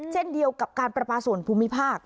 เช่นเดียวกับการประปาส่วนภูมิภาค